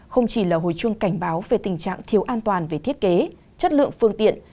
không chỉ là hồi chuông cảnh báo về tình trạng thiếu an toàn về thiết kế chất lượng phương tiện